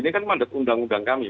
ini kan mandat undang undang kami